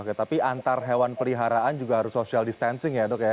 oke tapi antar hewan peliharaan juga harus social distancing ya dok ya